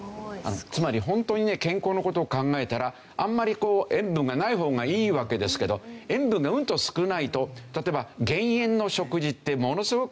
つまりホントにね健康の事を考えたらあんまり塩分がない方がいいわけですけど塩分がうんと少ないと例えば減塩の食事ってものすごく味がなくて。